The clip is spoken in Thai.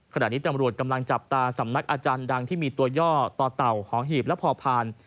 ขณะนี้ตำรวจกำลังจับตาสำนักอาจารย์ดังที่มีตัวย่อต่อเต่าหอหีบและพอพาน